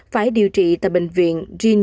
phải điều trị tại bệnh viện jinjin tan